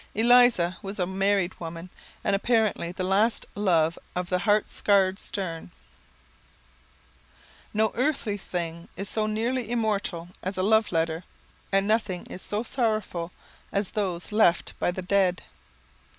"Eliza" was a married woman and apparently the last love of the heart scarred Sterne. [Sidenote: Left by the Dead] No earthly thing is so nearly immortal as a love letter, and nothing is so sorrowful as those left by the dead.